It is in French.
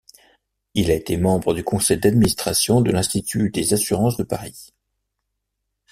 Il a été membre du conseil d'administration de l'Institut des assurances de Paris.